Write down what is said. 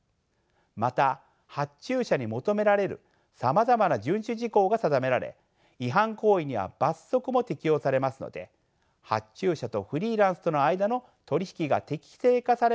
また発注者に求められるさまざまな順守事項が定められ違反行為には罰則も適用されますので発注者とフリーランスとの間の取り引きが適正化されることが期待されます。